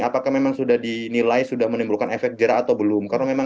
apakah memang sudah dinilai sudah menimbulkan efek jerah atau belum